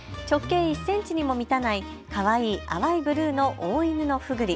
直径１センチにも満たないかわいい淡いブルーのオオイヌノフグリ。